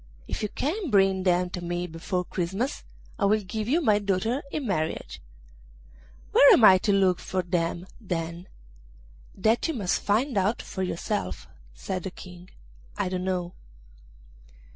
If you can bring them to me before Christmas I will give you my daughter in marriage.' 'Where am I to look for them, then?' said Ring. 'That you must find out for yourself,' said the King: 'I don't know.